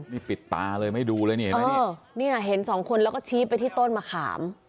นี่ปิดตาเลยไม่ดูเลยนี่เห็นไหมนี่เห็นสองคนแล้วก็ชี้ไปที่ต้นมะขาม